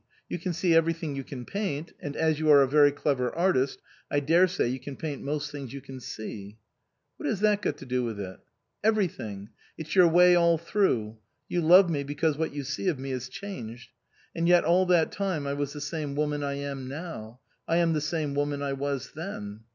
You can see every thing you can paint, and as you are a very clever artist, I daresay you can paint most things you can see." " What has that got to do with it ?"" Everything. It's your way all through. You love me because what you see of me is changed. And yet all that time I was the same woman I am now. I am the same woman I was then."